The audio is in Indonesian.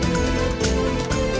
teganya teganya teganya